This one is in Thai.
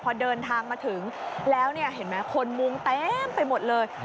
พอเดินทางมาถึงแล้วเนี่ยเห็นไหมคนมุงเต็มไปหมดเลย